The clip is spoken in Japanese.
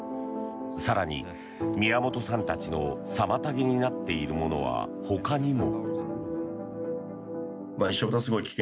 更に、宮本さんたちの妨げになっているものは他にも。